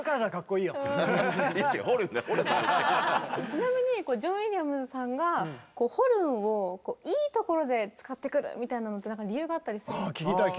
ちなみにジョン・ウィリアムズさんがホルンをいいところで使ってくるみたいなのって何か理由があったりするんですか？